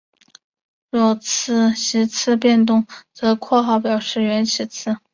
若席次变动则用括号表示原选举席次。